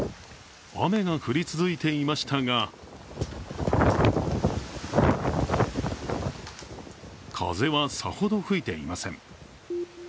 雨が降り続いていましたが風はさほど吹いていません。